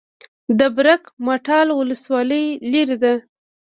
د برګ مټال ولسوالۍ لیرې ده